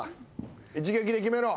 一撃で決めろ。